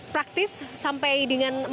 praktis sampai dengan malam